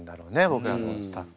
僕らのスタッフ。